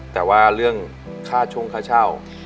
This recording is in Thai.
แต่ว่าเรื่องค่าชงค่าเช่า